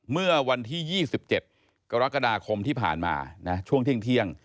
เมื่อวันที่๒๗กรกฎาคมที่ผ่านมาช่วงเที่ยง